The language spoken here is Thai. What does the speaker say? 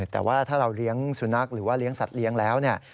แต่ว่าถ้าเราเลี้ยงสุนัขหรือว่าเลี้ยงสัตว์เลี้ยงแล้วเนี่ย